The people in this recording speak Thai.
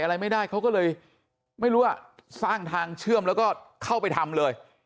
อะไรไม่ได้เขาก็เลยไม่รู้ว่าสร้างทางเชื่อมแล้วก็เข้าไปทำเลย